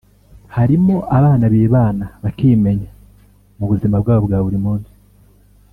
”Harimo abana bibana bakimenya mu buzima bwabo bwaburi munsi